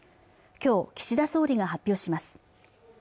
今日岸田総理が発表します